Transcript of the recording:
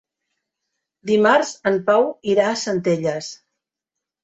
Dimarts en Pau irà a Centelles.